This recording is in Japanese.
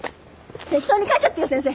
適当に書いちゃってよ先生。